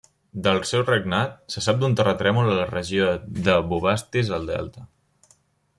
Del seu regnat, se sap d'un terratrèmol a la regió de Bubastis al delta.